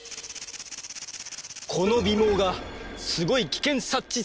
この尾毛がすごい危険察知